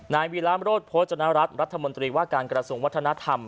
นายวีรามโรธโภจนรัฐรัฐรัฐมนตรีว่าการกระทรวงวัฒนธรรม